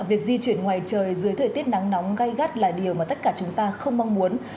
việc di chuyển ngoài trời dưới thời tiết nắng nóng gây gắt là điều mà tất cả chúng ta không mong muốn